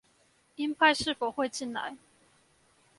英派是否會進來